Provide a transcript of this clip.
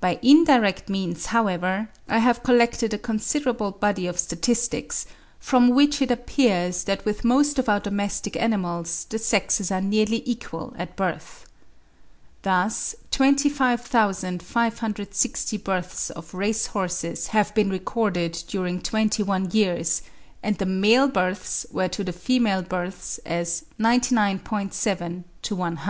By indirect means, however, I have collected a considerable body of statistics, from which it appears that with most of our domestic animals the sexes are nearly equal at birth. Thus 25,560 births of race horses have been recorded during twenty one years, and the male births were to the female births as 99.7 to 100.